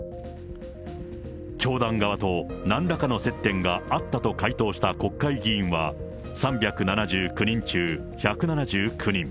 教団側となんらかの接点があったと回答した国会議員は、３７９人中１７９人。